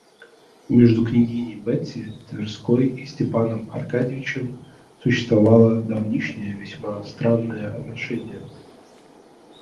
Между княгиней Бетси Тверской и Степаном Аркадьичем существовали давнишние, весьма странные отношения.